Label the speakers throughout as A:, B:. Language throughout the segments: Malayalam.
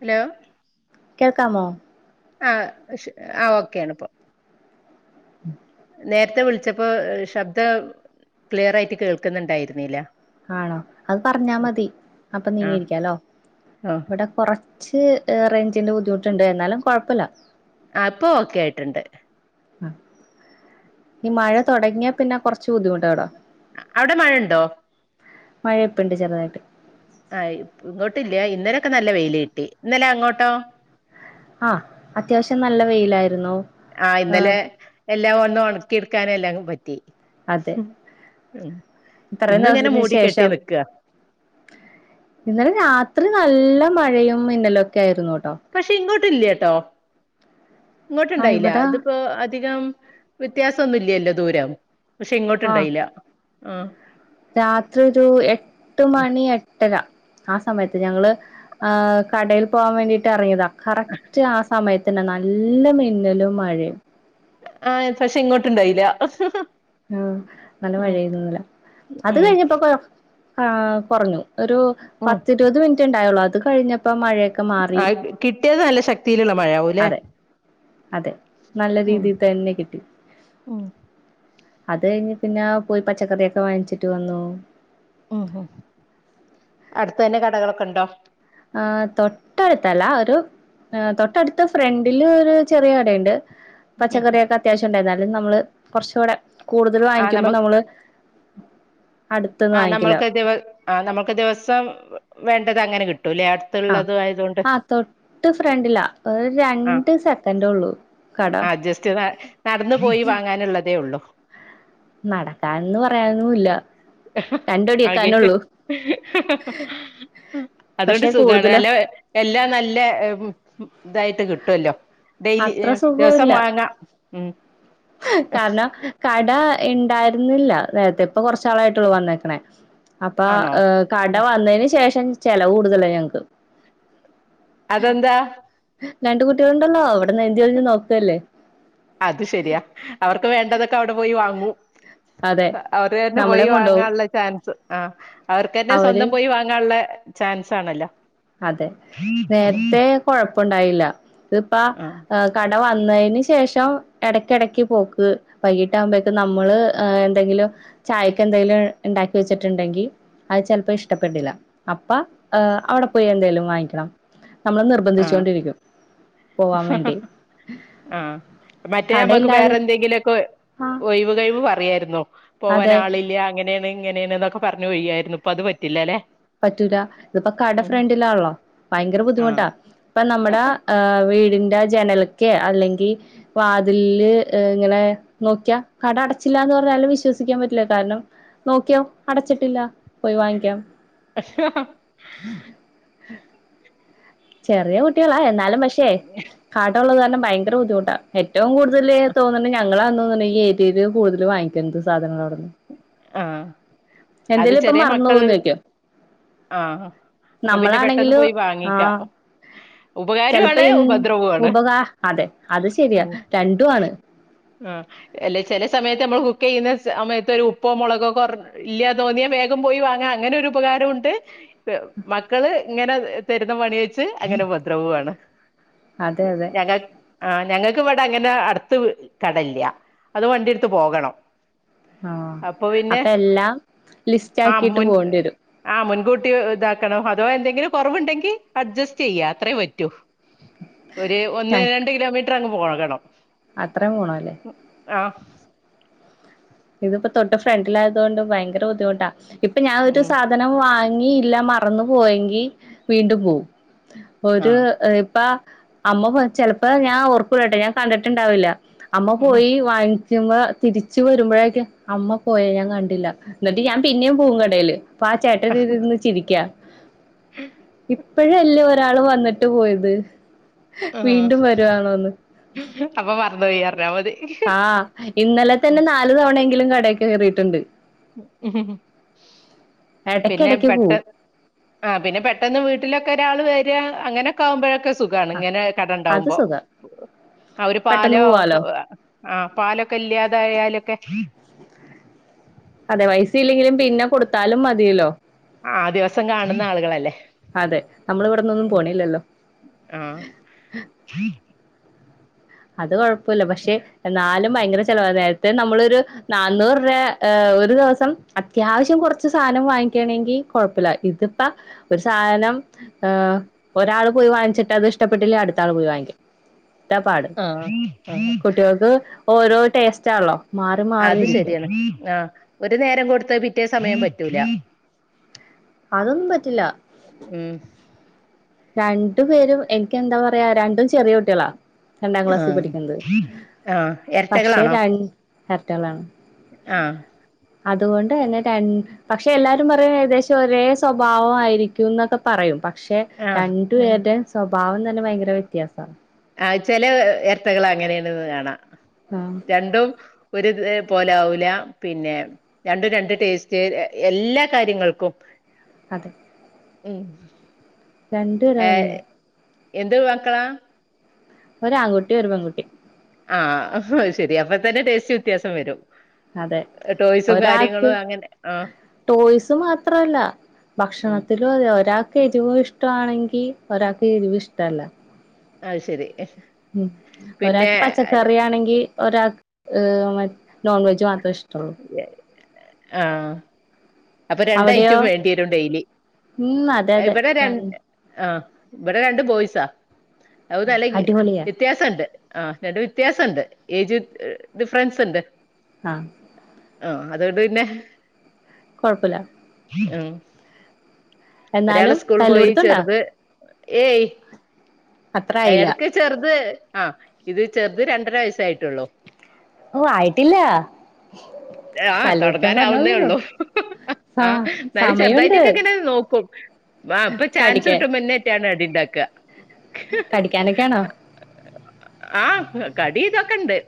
A: ഹലോ
B: കേൾക്കാമോ
A: ആഹ ആഹ ഓക്കെയ ആണിപ്പോ നേരത്തെ വിളിച്ചപ്പോ ശബ്ദം ക്ലിയർ ആയിട്ട് കേൾക്കുന്നുണ്ടായിരുന്നില്ല
B: ആണോ അത് പറഞ്ഞാ മതി അപ്പൊ
A: ആ
B: നീങ്ങിരിക്കാലോ
A: ആ
B: ഇവിടെ കൊറ കുച്ച് റേഞ്ന്റെ ബുദ്ധിമുട്ടുണ്ട് എന്നാലും കുഴപ്പമില്ല
A: ആഹ ഇപ്പൊ ഓക്കെ ആയിട്ടുണ്ട്
B: ഈ മഴ തുടങ്ങിയാ പിന്നെ കുറച്ച് ബുദ്ധിമുട്ടാ ഇവിടാ
A: അവിടെ മഴണ്ടോ
B: മഴൊപ്പണ്ട് ചെറുതായിട്ട്
A: ആഹ ഇങ്ങോട്ടില്ല ഇന്നലെൊക്കെ നല്ല വെയിൽ കിട്ടി ഇന്നലാ അങ്ങോട്ടോ
B: ആഹ അത്യാവശ്യം നല്ല വെയിലായിരുന്നു
A: ആഹ
B: ആഹ്
A: ഇന്നലെ എല്ലാം ഒന്നും ഉണക്കി എടുക്കാനെ എല്ലാം പറ്റി
B: അതെ
A: മ്
B: ഇത്രയും
A: ഇന്നും ഇങ്ങനെ
B: ദിവസത്തിന്
A: മൂടി കെട്ടി
B: ശേഷം
A: നിക്ക
B: ഇന്നലെ രാത്രി നല്ല മഴയും മിന്നലുംഒക്കെ ആയിരുന്നു കേട്ടോ
A: പക്ഷെ ഇങ്ങോടില്ല കേട്ടോ
B: ആഹ്
A: ഇങ്ങോട്ടുണ്ടായില്ല
B: ഇവിടെ
A: ഇതിപ്പോ അധികം വ്യത്യാസംന്നുംല്ലല്ലോ ദൂരം പക്ഷെ
B: ആഹ്
A: ഇങ്ങോട്ട്ഉണ്ടായില്ല ആഹ
B: രാത്രി ഒരു എട്ട് മണി എട്ടര ആ സമയത്ത് ഞങ്ങള് കടൽ പോകാൻ വേണ്ടിയിട്ട് ഇറങ്ങിയതാണ് കറക്റ്റ് ആ സമയത്ത്ന്നെ നല്ല മിന്നലും മഴയും
A: ആഹ് പക്ഷെ ഇങ്ങോട്ട ഇണ്ടായില്ല
B: ആഹ നല്ല മഴയിന്നല്ല അത്
A: ഉം
B: കഴിഞ്ഞപ്പോ കൊ ആഹ കുറഞ്ഞു ഒരു
A: ഉം
B: പത്തി ഇരുപത് മിനിറ്റ് ഉണ്ടായുള്ളൂ അത് കഴിഞ്ഞപ്പോ മഴയൊക്കെ മാറി
A: ആഹ കിട്ടിയത് നല്ല ശക്തിയിലുള്ള മഴ ആകൂല്ലെ
B: അതെ അതെ നല്ല രീതിയിൽ തന്നെ കിട്ടി
A: [unintelligible]
B: അത് കഴിഞ്ഞ് പിന്നെ പോയി പച്ചക്കറിയൊക്കെ വാങ്ങിച്ചിട്ട് വന്നു
A: ഉം ഹം അടുത് തന്നെ കടകളൊക്കെ ഉണ്ടോ
B: ആഹ തൊട്ടടുത്തല്ല ഒരു ആഹ തൊട്ടടുത് ഫ്രണ്ടില് ഒരു ചെറിയ കടഉണ്ട് പച്ചക്കറിയൊക്കെ അത്യാവശ്യം ഉണ്ടായി എന്നാലും നമ്മള് കുറച്ചുകൂടെ കൂടുതൽ
A: ആ നമ്മ
B: വാങ്ങിക്കുമ്പോൾ നമ്മള് അടുത്ത്ന്ന്
A: ആഹ
B: വാങ്ങിക്കില്ല
A: നമ്മൾക്ക് ദിവ ആഹ നമ്മൾക്ക് ദിവസം വേണ്ടത് അങ്ങനെ കിട്ടൂല്ലേ
B: ആഹ
A: അടുത്തുള്ളത് ആയതുകൊണ്ട്
B: ആ തൊട്ട് ഫ്രണ്ടില്ല ഒരു രണ്ട് സെക്കൻഡ ഉള്ളു കട
A: അ ജസ്റ്റ്താ നടന് പോയി വാങ്ങാനുള്ളതേ ഉള്ളൂ
B: നടക്കാൻന്ന് പറയാനുമില്ല
A: ആകെ അതുകൊണ്ട്
B: പക്ഷെ
A: സുഖണ്
B: കൂടുതലും
A: നല്ല എല്ലാം നല്ല ഇതായിട്ട് കിട്ടുല്ലോ ഡെയിലി
B: അത്ര
A: ദിവസം
B: സുഖവുല്ല
A: വാങ്ങാം ഉം
B: കാരണം കട ഇണ്ടായിരുന്നില്ല നേരത്തെ ഇപ്പൊ കൊറച്ചാളായിട്ടുള്ളൂ വന്നേക്കണേ അപ്പൊ
A: ആണോ
B: ഏർ കട വന്നതിന് ശേഷം ചെലവ് കൂടുതല ഞങ്ങക്ക്
A: അതന്താ
B: രണ്ട് കുട്ടികളുണ്ടല്ലോ അവിടന്ന് എന്തി കഴിഞ്ഞ് നോക്കല്ലേ
A: അത് ശരിയാ അവർക്ക് വേണ്ടതൊക്കെ അവിടെ പോയി വാങ്ങൂ
B: അതെ
A: അവർ തന്നെ
B: നമ്മളെ
A: പോയി
B: കൊണ്ടോവും
A: വാങ്ങാനുള്ള ചാൻസ് ആ അവർക്ക് തന്നെ
B: അവര്
A: സ്വന്തം പോയി വാ ങ്ങള്ള ചാൻസ് ആണല്ലോ
B: അതെ നേരത്തെ കൊഴപ്പണ്ടായില്ല ഇതിപ്പ ആ കട വന്നേന് ശേഷം എടക്കെടക്ക് പോക്ക് വൈകീട്ടാകുമ്പോക്കും നമ്മള് എന്തെങ്കിലും ചായക്കെന്തെങ്കിലും ണ്ടാക്കി വെച്ചിട്ടുണ്ടെങ്കി അത് ചെൽപ്പോ ഇഷ്ടപ്പെടില്ല അപ്പ അവിടെ പോയി എന്തേലും വാങ്ങിക്കണം നമ്മൾ
A: ആ
B: നിർബന്ധിച്ചോണ്ടിരിക്കും പോവാൻ വേണ്ടി
A: ആ മറ്റേ അമ്മക്ക് വേറെ
B: കടയില്ലാതെ
A: എന്തെങ്കിലുക്കെ
B: ആഹ്
A: ഒഴിവ് കഴിവ് പറയായിരുന്നു പോവാൻ
B: അതെ
A: ആളില്ല ഇങ്ങനേണ് ഇങ്ങനെണ് ന്നോക്കെ പറഞ്ഞ് ഒയ്യായിരുന്നു പ്പൊത് പറ്റില്ല ല്ലെ
B: പറ്റൂല ഇതിപ്പോ കട ഫ്രണ്ടിലാള്ളോ ഭയങ്കര
A: ആ
B: ബുദ്ധിമുട്ടാ ഇപ്പൊ നമ്മുടെ ആ വീടിന്റെ ജനൽക്കെ അല്ലെങ്കി വാതിൽല് ഇങ്ങനെ നോക്ക്യാ കട അടച്ചില്ലന്ന് പറഞ്ഞാലും വിശ്വസിക്കാൻ പറ്റില്ല കാരണം നോക്കിയോ അടച്ചിട്ടില്ല പോയി വാങ്ങിക്കാം
A: [unintelligible]
B: ചെറിയ കുട്ട്യാളാ എന്നാലും പക്ഷേ കടള്ളത് കാരണം ഭയങ്കര ബുദ്ധിമുട്ടാ ഏറ്റവും കൂട്തല് തോന്നണ് ഞങ്ങളാന്ന് തോന്നണ് ഈഏര്യേല് കൂടുതല് വാങ്ങിക്ക എന്ത് സാധനങ്ങളാവടന്ന്
A: ആ അത്
B: എന്തേലും ഇപ്പ
A: ചെറിയ
B: മറന്നു
A: മക്കൾ
B: പോവന്ന് വെക്ക്യാ
A: ആ അപ്പൊ പിന്നെ പെട്ടെന്ന്
B: നമ്മളാണെങ്കില്
A: പോയി
B: ആ
A: വാങ്ങിക്കാം
B: ചെൽപ്പോ
A: ഉപകാരമാണ്
B: എൻ
A: ഉപദ്രവമാണ്
B: ഉപകാ അതെ അത് ശെരിയാ
A: ഉം
B: രണ്ടും ആണ്
A: ആഹ് എല്ലേ ചെല സമയത്ത് നമ്മള് കുക്കെയ്യുന്ന സമയത്ത് ഒരു ഉപ്പൊ മുളകൊ കുറ ഇല്ല്യാ തോന്ന്യാ വേഗം പോയി വാങ്ങാ അങ്ങനെ ഒരു ഉപകാരുംണ്ട് മക്കള് ഇങ്ങനെ തെരുന്ന പണി വെച്ച് അങ്ങനെ ഉപദ്രവൊണ്
B: അതെ അതെ
A: ഞങ്ങ ആ ഞങ്ങൾക്കിവടെ അങ്ങനെ അടുത്ത് കടല്ല്യാ അത് വണ്ടിട്ത്ത് പോകണം
B: ആ
A: അപ്പൊ പിന്നെ
B: അപ്പെല്ലാം ലിസ്റ്റാക്കിട്ട് പോണ്ടേരും
A: ആ മുൻകൂട്ടി ഇതാക്കണം അധവാ എന്തെങ്കിലും കുറവുണ്ടെങ്കി അഡ്ജസ്റ്റ് ചെയ്യാ അത്രേ പറ്റൂ ഒര് ഒന്ന് രണ്ട് കിലോമീറ്റർ അങ്ങ് പോകണം
B: അത്രേം പോണല്ലേ
A: ആഹ്
B: ഇതിപ്പോ തൊട്ട് ഫ്രണ്ടിലായതോണ്ട് ഭയങ്കര ബുദ്ധിമുട്ടാ ഇപ്പൊ ഞാൻ ഒരു
A: ഉം
B: സാധന നം വാങ്ങിയില്ല മറന്നു പോയെങ്കി വീണ്ടും പോവും ഒരു
A: ആഹ്
B: ഇപ്പ അമ്മ ചെൽപ്പോ ഞാൻ ഓർക്കൂലട്ടോ ഞാൻ കണ്ടിട്ടുണ്ടാവില്ല അമ്മ
A: ഉം
B: പോയി വാങ്ങ തിരിച്ചു വരുമ്പോഴേക്കും അമ്മ പോയ ഞാൻ കണ്ടില്ല എന്നിട്ട് ഞാൻ പിന്നെം പോവും കടേല് അപ്പൊ ആ ചേട്ടനിരീന്ന് ചിരിക്ക്യാ ഇപ്പോഴല്ലേ ഒരാള് വന്നിട്ട് പോയത്
A: ആ
B: വീണ്ടും വരുവാണോന്ന്
A: അപ്പൊ മറന്നുപോയിറഞ്ഞാ മതി
B: ആ ഇന്നലെ തന്നെ നാലു തവണയെങ്കിലും കടകേറിട്ടുണ്ട്
A: പിന്നെ
B: ഇടയ്ക്കിടയ്ക്ക്
A: പെട്ട
B: പോവും
A: ആഹ് പിന്നെ പെട്ടെന്ന് വീട്ടിലൊക്കെ ഒരാള് വേരാ അങ്ങനെ ക്കവുംമ്പോഴൊക്കെ സുഖാണ് ഇങ്ങനെ
B: അത്
A: കടണ്ടാവുമ്പോ
B: സുഖം
A: അവര്
B: പെട്ടെന്ന്
A: പാലോ
B: പോവാലോ
A: ക്കൊ ആഹ് പാലൊക്കെ ഇല്ല്യാതായാലൊക്കെ
B: അതെ പൈസല്ലെങ്കിലും പിന്നെ കൊടുത്താലും മതിയല്ലോ
A: ആഹ് ദിവസം കാണുന്ന ആളുകളല്ലേ
B: അതെ നമ്മളിവടന്നൊന്നും പോണില്ലല്ലോ
A: ആഹ്
B: അത് കുഴപ്പല്ല പക്ഷെ എന്നാലും ഭയങ്കര ചെലവാ നേരത്തെ നമ്മളൊരു നന്നൂറ് രൂപ ഒരു ദിവസം അത്യാവശ്യം കുറച്ച് സാധനം വാങ്ങിക്കയാണെങ്കിൽ കൊഴപ്പല്ലാ ഇതിപ്പ ഒരു സാധനം ഏഹ് ഒരാള് പോയി വാങ്ങിച്ചിട്ട് അത് ഇഷ്ടപ്പെട്ടില്ലേ അടുത്ത ആള് പോയി വാങ്ങിക്കും. ഇതാ പാട്
A: ആഹ്
B: കുട്ടികൾക്ക് ഓരോ ടേസ്റ്റ് ആണല്ലോ. മാറി
A: അത്
B: മാറിയിരിക്കും
A: ശരിയാണ്. ആഹ് ഒരു നേരം കൊടുത്തത് പിറ്റേ സമയം പറ്റൂല.
B: അതൊന്നും പറ്റില്ല.
A: ഉം
B: രണ്ടു പേരും എനിക്ക് എന്താ പറയാ. രണ്ടും ചെറിയ കുട്ടികളാ. രണ്ടാം
A: ആ
B: ക്ലാസിൽ പഠിക്കുന്നത്.
A: ആ
B: പക്ഷെ
A: എരട്ടകളാണോ
B: രണ്ട് ഇരട്ടകളാണ്.
A: ആ
B: അതുകൊണ്ട് തന്നെ രണ്ട് പക്ഷെ എല്ലാവരും പറയും ഏകദേശം ഒരേ സ്വഭാവം ആയിരിക്കും ന്നൊക്കെ പറയും. പക്ഷെ
A: ആ
B: രണ്ടു
A: ഉം
B: പേരുടെയും സ്വഭാവം തന്നെ ഭയങ്കര വ്യത്യാസാ.
A: ആഹ് ചെല ഇരട്ടകള് അങ്ങനെയാണെന്ന് കാണാം.
B: ആഹ്
A: രണ്ടും ഒരു ഇതേ പോലെ ആവൂല. പിന്നെ രണ്ടും രണ്ട് ടേസ്റ്റ്. എല്ലാ കാര്യങ്ങൾക്കും.
B: അതെ
A: ഉം
B: രണ്ടുപേരും
A: ഏഹ്
B: അങ്ങനെയാ
A: എന്ത് മക്കളാ?
B: ഒരു ആൺകുട്ടീം. ഒരു പെൺകുട്ടീം.
A: ആഹ്. ആഹ് അതുശരി. അപ്പൊ തന്നെ ടേസ്റ്റ് വ്യത്യാസം വരും.
B: അതെ
A: ടോയ്സും
B: ഒരാക്ക്
A: കാര്യങ്ങളും അങ്ങനെ ആഹ്
B: ടോയ്സ് മാത്രല്ല.
A: ഉം
B: ഭക്ഷണത്തിലും അതെ ഒരാൾക്ക് എരിവ് ഇഷ്ടമാണെങ്കി ഒരാൾക്ക് എരിവ് ഇഷ്ടമല്ല.
A: അതു ശരി.
B: ഉം
A: പിന്നെ
B: ഒരാക്ക് പച്ചക്കറിയാണെങ്കി ഒരാൾ ഏഹ് മ നോൺ വെജ് മാത്രം ഇഷ്ടൊള്ളൂ.
A: ആഹ് അപ്പൊ രണ്ട്
B: അവിടെയോ
A: ഐറ്റം വേണ്ടി വരും ഡെയിലി.
B: ഉം അതെ അതെ
A: ഇവിടെ രണ്ട് ആഹ് ഇവിടെ രണ്ട് ബോയിസാ. അത് തല കീ
B: അടിപൊളിയാ
A: വ്യത്യാ സണ്ട്. ആഹ് രണ്ട് വ്യത്യാസണ്ട് ഏജ് ഡിഫറൻസ് ണ്ട്.
B: ആഹ്.
A: ആഹ് അതുകൊണ്ട് പിന്നെ
B: കൊഴപ്പല്ല.
A: ഉം ഒരാള്
B: എന്നാലും
A: സ്കൂൾ പോയി.
B: തല്ലുപിടുത്തണ്ടാ
A: ചെറുത് ഏയ്
B: അത്ര ആയില്ല
A: ഇടയ്ക്ക് ചെറുത് ആഹ് ഇത് ചെറുത് രണ്ടര വയസ്സായിട്ടുള്ളു.
B: ഓ ആയിട്ടില്ല
A: ആഹ്
B: തല്ലുപിടുത്തം പറഞ്ഞോളൂ
A: തുടങ്ങാനാവുന്നേ ഉള്ളൂ.
B: ആ
A: ആഹ് ന്നാലും
B: സമയുണ്ട്
A: ചെറുതായിട്ടൊക്കെ ഇങ്ങനെ നോക്കും. ആഹ് ഇപ്പൊ ചാൻസ്
B: കടിക്കാൻ
A: കിട്ടുംബ ന്നെ ട്ടിയാണ് അടിണ്ടാക്കാ.
B: കടിക്കാനൊക്കെയാണോ?
A: ആഹ് കടി ഇതൊക്കെ ഇണ്ട്.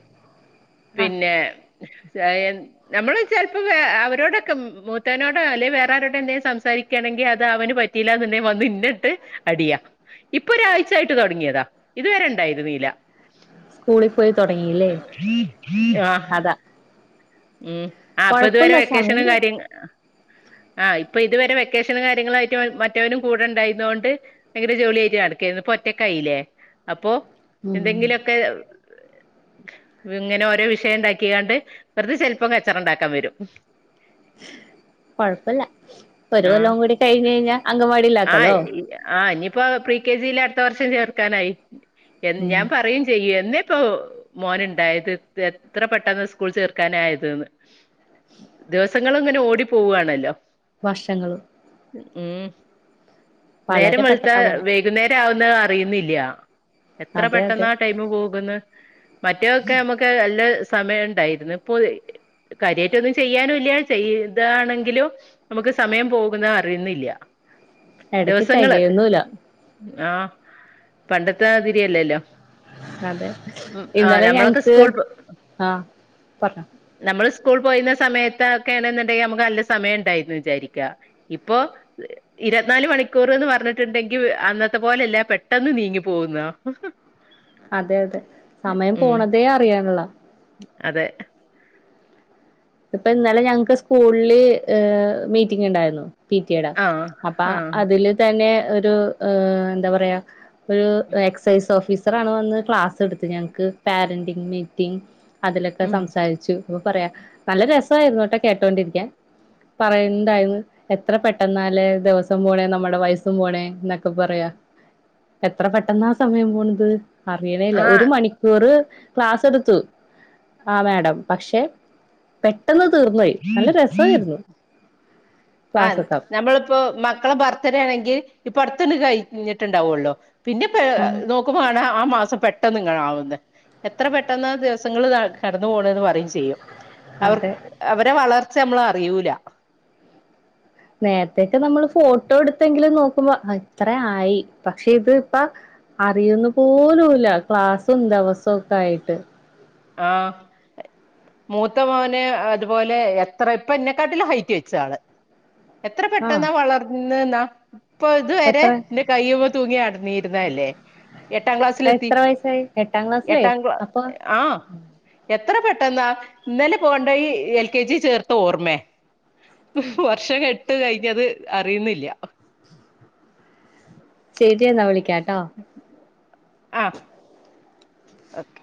B: ആ
A: പിന്നെ ശയൻ ഞമ്മള് ചെലപ്പോ വേ അവരോടൊക്കെ മൂത്തവനോടോ അല്ലെ വേറെ ആരോടെന്തേലും സംസാരിക്കുകയാണെങ്കിൽ അത് അവന് പ റ്റിലാന്നുണ്ടെങ്കി വന്ന് എന്നെട്ട് അടിയാ. ഇപ്പൊ ഒരാഴ്ച യായിട്ട് തുടങ്ങിയതാ. ഇതുവരെ ഉണ്ടായിരുന്നീല.
B: സ്കൂളിൽ പോയി തുടങ്ങില്ലേ
A: ആ
B: അതാ
A: ഉം ആഹ് അപ്പൊ ഇതുവരെ
B: കൊഴപ്പല്ല
A: വെക്കേഷനും
B: സമയണ്ട്
A: കാര്യങ്ങ ആഹ് ഇപ്പൊ ഇതുവരെ വെക്കേഷനും കാര്യങ്ങളും ആയിട്ട് മറ്റവനും കൂടെ ഉണ്ടായിരുന്നതുകൊണ്ട് ഭയങ്കര ജോളി ആയിട്ട് നടക്കായിരുന്നു. ഇപ്പൊ ഒറ്റക്കായിലേ. അപ്പൊ
B: ഉം
A: എന്തെങ്കിലു ഒക്കെ ഇങ്ങനെ ഓരോ വിഷയം ഉണ്ടാക്കിയാണ്ട് വെറുതെ ചെലപ്പം കച്ചറ ഉണ്ടാക്കാൻ വരും.
B: കൊഴപ്പല്ല. ഒരു
A: ആ
B: കൊല്ലവും കൂടി കഴിഞ്ഞു കഴിഞ്ഞാ അംഗൻവാടിയിൽ ആക്കലോ.
A: ആഹ് ഇനിയിപ്പോ പ്രീ കെ ജിയിൽ അടുത്ത വർഷം ചേർക്കാനായി. എൻ
B: ഉം
A: ഞാൻ പറയേം ചെയ്യും എന്നെ ഇപ്പൊ മോൻ ഉണ്ടായത് എത്ര പെട്ടെന്നാ സ്കൂൾ ചേർ ക്കാനായതെന്ന് ദിവസങ്ങള് ഇങ്ങനെ ഓടി പോവാണല്ലോ.
B: വർഷങ്ങള്
A: ഉം നേരം
B: വളരെ
A: വെളുത്ത
B: പെട്ടെന്നാ പോണെ
A: വൈകുന്നേരം ആവുന്ന അറിയുന്നില്ല എത്ര
B: അതെ
A: പെട്ടെന്ന
B: അതെ
A: ആ ടൈമ് പോകുന്നു മറ്റേൊക്കെ നമുക്ക് നല്ല സമയ ഉണ്ടായിരുന്നു അ കരിയമായിട്ട ഒന്നും ചെയ്യാനുംല്ല ചെയ്താണെങ്കിലും നമുക്ക് സമയം പോകുന്ന അറിയുന്നില്ല
B: എടക്ക്
A: ദിവസങ്ങള്
B: തെകയൊന്നുല്ല
A: ആ പണ്ടത്തെതാതിരിയല്ലേല്ലോ
B: അതെ
A: ഉം
B: എന്നലെ ഞങ്ങക്ക്
A: സ്കൂൾ
B: ആഹ പറഞ്ഞോ
A: നമ്മൾ സ്കൂൾ പോയിന്ന സമയത്തൊക്കെയ ആണെന്നുണ്ടെങ്കിൽ നമുക്ക് നല്ല സമയം ഉണ്ടായിരുന്നു വിചാരിക്ക ഇപ്പൊ ഇരുപത്തിനാല് മണിക്കൂർന്ന് പറഞ്ഞിട്ടുണ്ടെങ്കി അന്നത്തെ പോലെല്ല പെട്ടെന്ന് നീങ്ങി പോകുന്നോ
B: അതെ അതെ സമയം പോണതേ അറിയാണില്ല
A: അതെ
B: ഇപ്പ ഇന്നലെ ഞങ്ങൾക്ക് സ്കൂളില് മീറ്റിംഗ് ഉണ്ടായിരുന്നു പിറ്റടാ
A: ആഹ്
B: അപ്പൊ
A: ആഹ്
B: അതില് തന്നെ ഒരു എന്താ പറയാ ഒരു എക്സൈസ് ഓഫീസറ ആണ് വന്ന് ക്ലാസ് എടുത്ത് ഞങ്ങക്ക് പാരന്റങ് മീറ്റിംഗ് അതിലൊക്കെ
A: ഉം
B: സംസാരിച്ചു അപ്പൊ പറയാ നല്ല രസമായിരുട്ടോ കേട്ടോണ്ടിരിക്കൻ പറയണ്ടാരുന്ന് എത്ര പെട്ടെന്നാല്ലേ ദിവസം പോണെ നമ്മുടെ വയസ്സും പോണെ എന്നൊക്കെ പറയാ എത്ര പെട്ടെന്നാ സമയം പോണത് അറിയണേല്ല ഒരു
A: ആഹ്
B: മണിക്കൂറ് ക്ലാസ് എടുത്തു ആ മാഡം പക്ഷെ പെട്ടെന്ന് തീർന്നോയി നല്ല രസമായിരുന്നു
A: ആഹ്
B: ക്ലാസ്സൊക്കാവും
A: നമ്മളിപ്പോ മക്കളെ ബർത്ത്ഡേ ആണെങ്കിൽ ഇപ്പ അടുത്തണ്ട് കഴിഞ്ഞിട്ടുണ്ടാവല്ലോ പിന്നെ പ
B: ഉം
A: നോക്കുമ്പോആണ് ആ മാസം പെട്ടെന്ന് ഇങ്ങ ആവുന്നത് എത്ര പെട്ടെന്ന് ദിവസങ്ങള് കടന്നു പോകണ എന്ന് പറയും ചെയ്യും അവർ
B: അതെ
A: അവരെ വളർച്ച നമ്മള അറിയൂല
B: നേരത്തക്കെ നമ്മൾ ഫോട്ടോ എടുത്തെങ്കിലും നോക്കുമ്പോ ഇത്ര ആയി പക്ഷെ ഇത് ഇപ്പ അറിയുന്ന പോലുംല്ല ക്ലാസ്സും ദിവസവും ഒക്കെ ആയിട്ട്
A: ആ മൂത്ത മോന് അതുപോലെ എത്ര ഇപ്പ എന്നെക്കാട്ടില ഹൈറ്റ് വെച്ചതാണ് എത്ര
B: ആഹ്
A: പെട്ടെന്നാ വളർന്നന്നാ ഇപ്പൊ ഇതുവരെ
B: എത്ര
A: കയ്യുമെതൂങ്ങി നടന്നിരുന്ന തല്ലേ എട്ടാം ക്ലാസ്സിലെത്തി
B: എത്ര വയസ്സായി എട്ടാം ക്ലാസ്സിലേ
A: എട്ടാം ക്ലാ
B: അപ്പൊ
A: ആ എത്ര പെട്ടെന്നാ ഇന്നലെ കോണ്ടായി എൽ കെ ജി ചേർത്ത ഓർമ വർശമെട്ട് കഴിഞ്ഞ അത് അറിയുന്നില്ല
B: ശരിയെന്നാ വിളിക്കാട്ടോ
A: ആ ഓക്കെ